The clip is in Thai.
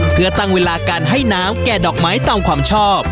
เพื่อตั้งเวลาการให้น้ำแก่ดอกไม้ตามความชอบ